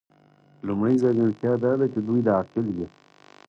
لومړۍ ځانګړتیا دا ده چې دوی عاقل دي.